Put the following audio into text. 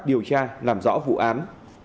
điều tra làm rõ vụ án